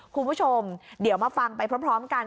คุณผู้ชมเดี๋ยวมาฟังไปพร้อมกัน